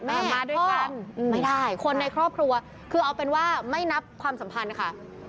มาด้วยกันไม่ได้คนในครอบครัวคือเอาเป็นว่าไม่นับความสัมพันธ์ค่ะ